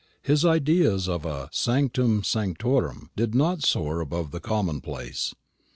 His ideas of a sanctum sanctorum did not soar above the commonplace.